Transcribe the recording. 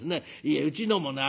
いえうちのもね